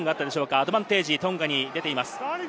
アドバンテージがトンガに出ています。